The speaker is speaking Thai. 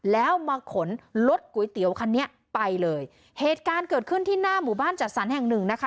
แล้วมาขนรถก๋วยเตี๋ยวคันนี้ไปเลยเหตุการณ์เกิดขึ้นที่หน้าหมู่บ้านจัดสรรแห่งหนึ่งนะคะ